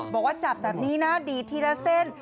บอกว่าจับแบบนี้นะดีดทีละเส้น